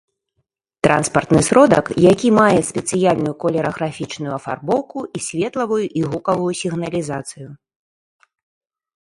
Транспартны сродак, які мае спецыяльную колераграфічную афарбоўку і светлавую і гукавую сігналізацыю